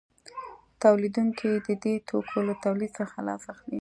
تولیدونکي د دې توکو له تولید څخه لاس اخلي